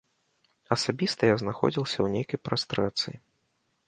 Асабіста я знаходзілася ў нейкай прастрацыі.